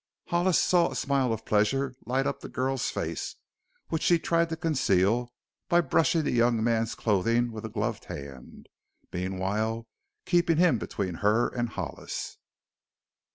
Hollis saw a smile of pleasure light up the girl's face, which she tried to conceal by brushing the young man's clothing with a gloved hand, meanwhile keeping him between her and Hollis.